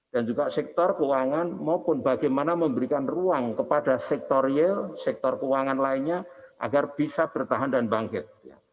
dan juga sektor keuangan maupun bagaimana memberikan ruang kepada sektor real sektor keuangan lainnya agar bisa bertahan dan bangkit